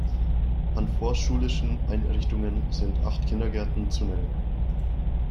An vorschulischen Einrichtungen sind acht Kindergärten zu nennen.